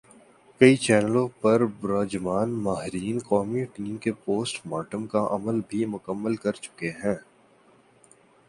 کی چینلوں پر براجمان "ماہرین" قومی ٹیم کے پوسٹ مارٹم کا عمل بھی مکمل کر چکے ہیں ۔